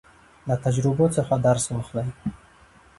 له تجربو څخه درس واخلئ.